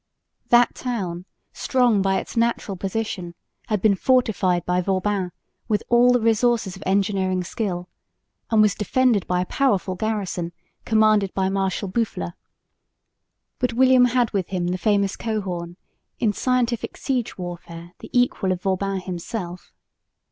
That town, strong by its natural position, had been fortified by Vauban with all the resources of engineering skill, and was defended by a powerful garrison commanded by Marshal Boufflers. But William had with him the famous Coehoorn, in scientific siege warfare the equal of Vauban himself.